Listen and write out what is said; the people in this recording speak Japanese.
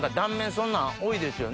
そんなん多いですよね。